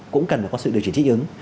cũng cần phải có sự điều chỉ trích ứng